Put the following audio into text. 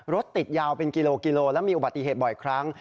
รถติดยาวเป็นกิโลกิโลและมีอุบัติเหตุบ่อยครั้ง